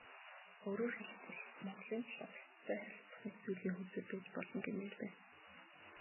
Өөрөөр хэлбэл, Монголын талаас Хятадтай харилцах нэг зүйлийн хөзөр байж болно гэмээр байна.